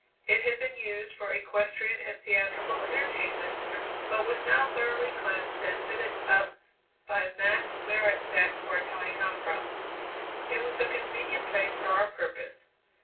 It had been used for equestrian and theatrical entertainments, but was now thoroughly cleansed and fitted up by Max Maretzek for Italian opera. It was a convenient place for our purpose.